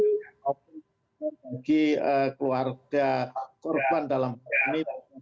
maupun bagi keluarga korban dalam kemampuan